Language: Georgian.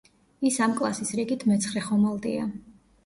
ის ამ კლასის რიგით მეცხრე ხომალდია.